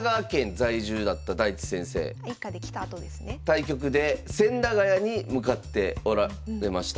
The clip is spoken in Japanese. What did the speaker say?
対局で千駄ヶ谷に向かっておられました。